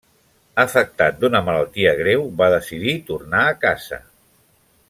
Afectat d'una malaltia greu, va decidir tornar a casa.